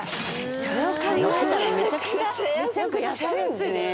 それを考えたらめちゃくちゃ安いんですね。